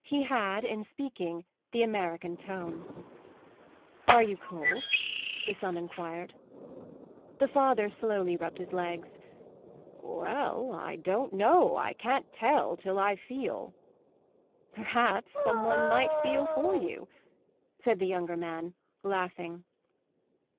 He had, in speaking, the American tone. "Are you cold?" the son enquired. The father slowly rubbed his legs. "Well, I don't know. I can't tell till I feel." "Perhaps some one might feel for you," said the younger man, laughing.